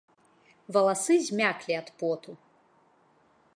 Валасы змяклі ад поту.